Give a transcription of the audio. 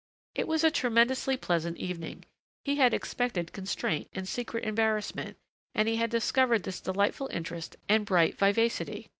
It was a tremendously pleasant evening. He had expected constraint and secret embarrassment and he had discovered this delightful interest and bright vivacity.